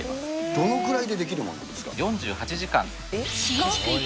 どのくらいで出来るものなんですか？